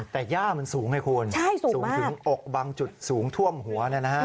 แต่ย่ามันสูงไงคุณสูงถึงอกบางจุดสูงท่วมหัว